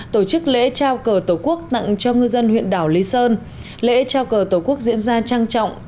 tổ chức lễ trao cờ tổ quốc tặng cho ngư dân huyện đảo lý sơn lễ trao cờ tổ quốc diễn ra trang trọng